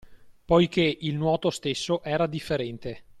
Poichè il nuoto stesso era differente.